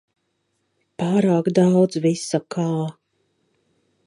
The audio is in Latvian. Pārāk daudz visa kā.